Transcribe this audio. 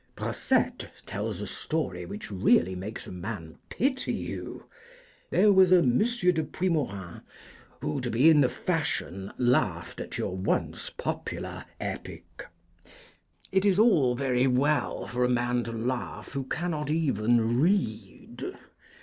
Brossette tells a story which really makes a man pity you. There was a M. de Puimorin who, to be in the fashion, laughed at your once popular Epic. 'It is all very well for a man to laugh who cannot even read.'